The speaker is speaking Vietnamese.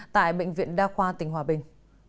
tại bệnh viện đa khoa tỉnh hòa bình